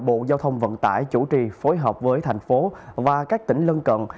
bộ giao thông vận tải chủ trì phối hợp với thành phố và các tỉnh lân cận